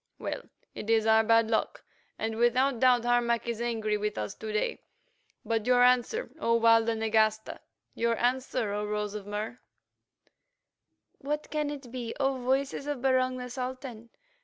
Well, it is our bad luck, and without doubt Harmac is angry with us to day. But your answer, O Walda Nagasta, your answer, O Rose of Mur?" "What can it be, O Voices of Barung the Sultan?"